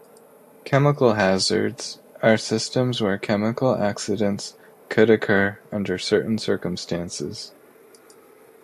Chemical hazards are systems where chemical accidents could occur under certain circumstances.